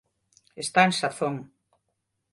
Está en sazón